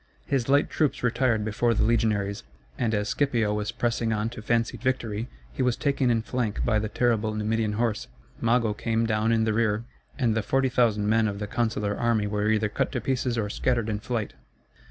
His light troops retired before the legionaries, and as Scipio was pressing on to fancied victory he was taken in flank by the terrible Numidian horse, Mago came down in the rear, and the 40,000 men of the consular army were either cut to pieces or scattered in flight.